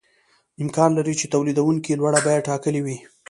امکان لري چې تولیدونکي لوړه بیه ټاکلې وي